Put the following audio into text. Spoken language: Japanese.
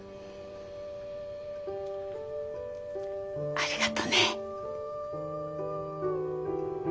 ありがとね。